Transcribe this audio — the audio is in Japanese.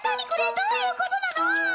どういうことなの？